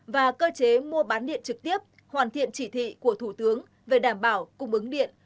và cơ chế mua bán điện trực tiếp hoàn thiện chỉ thị của thủ tướng về đảm bảo cung ứng điện